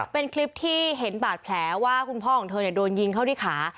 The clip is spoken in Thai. เป็นคลิปที่เห็นบาดแผลว่าคุณพ่อของเธอโดนยิงเข้าที่ขา